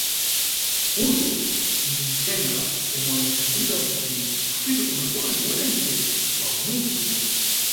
Uyu ninʼthenga omwe bzinʼfunika kuti ufike kuna wanthu wentse wa mudzi uno.